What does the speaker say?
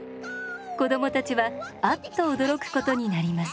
子供たちは「あっ」と驚くことになります。